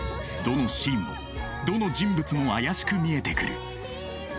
どのシーンもどの人物も怪しく見えてくる。